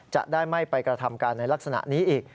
จะได้ไม่ไปกระทำการในลักษณะนี้อีก